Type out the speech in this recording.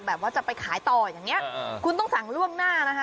ว่าจะไปขายต่ออย่างนี้คุณต้องสั่งล่วงหน้านะคะ